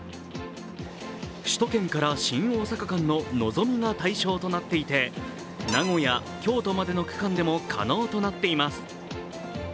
首都圏から新大阪間ののぞみが対象となっていて名古屋、京都までの区間でも可能となっています。